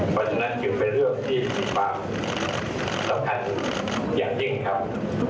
เพราะฉะนั้นก็คือเป็นเรื่องที่สำคัญอย่างจริงครับ